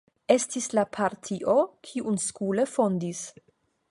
Estis la partio, kiun Skule fondis.